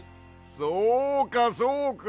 そうかそうか！